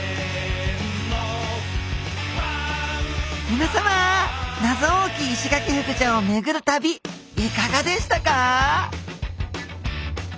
みなさま謎多きイシガキフグちゃんをめぐる旅いかがでしたか？